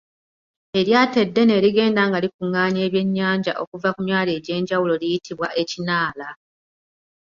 Eryato eddene erigenda nga likungaanya ebyennyanja okuva ku myalo egy’enjawulo liyitibwa Ekinaala.